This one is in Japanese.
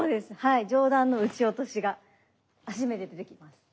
上段の打ち落としが初めて出てきます。